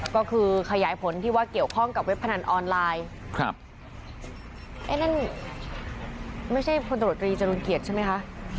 ก็คือขยายผลที่ว่าเกี่ยวข้องกับเว็บพนันออนไลน์ครับไอ้นั่นไม่ใช่พลตรวจตรีจรุลเกียรติใช่ไหมคะ